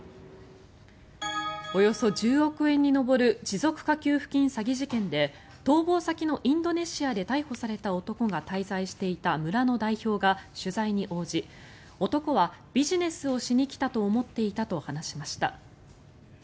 およそ１０億円に上る持続化給付金詐欺事件で逃亡先のインドネシアで逮捕された男が滞在していた村の代表が取材に応じ男はビジネスをしに来たと思っていたと話しました。